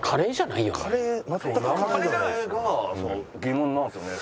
名前が疑問なんですよね。